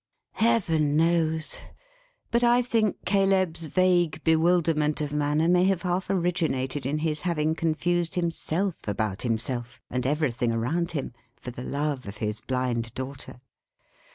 Heaven knows! But I think Caleb's vague bewilderment of manner may have half originated in his having confused himself about himself and everything around him, for the love of his Blind Daughter.